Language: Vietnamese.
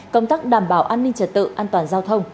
công tác đảm bảo an ninh trật tự an toàn giao thông